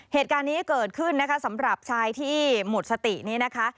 เหตุการณ์นี้เกิดขึ้นนะคะสำหรับชายที่หมดสตินี้นะคะ